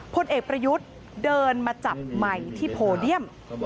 พลเอกประยุทธ์เดินมาจับใหม่ที่โพเดียม